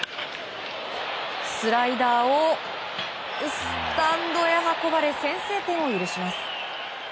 スライダーをスタンドへ運ばれ先制点を許します。